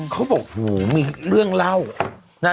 เขาบอกหูมีเรื่องเล่านะ